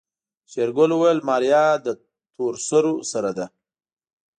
شېرګل وويل ماريا له تورسرو سره ده.